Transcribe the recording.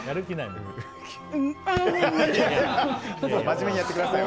真面目にやってください。